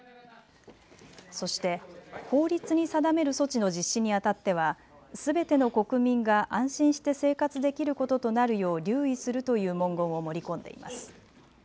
そして法律に定める措置の実施にあたってはすべての国民が安心して生活できることとなるよう留意するという文言を盛り込んでいます。